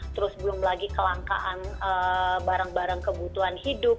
terus belum lagi kelangkaan barang barang kebutuhan hidup